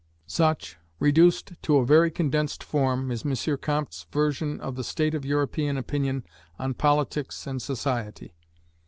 Such, reduced to a very condensed form, is M. Comte's version of the state of European opinion on politics and society.